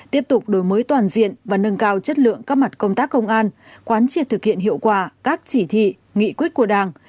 tiếp tục đổi mới toàn diện và nâng cao chất lượng các mặt công tác công an quán triệt thực hiện hiệu quả các chỉ thị nghị quyết của đảng